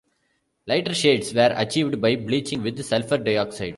Lighter shades were achieved by bleaching with sulphur dioxide.